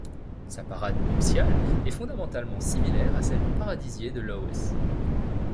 Sa parade nuptiale est fondamentalement similaire à celle du Paradisier de Lawes.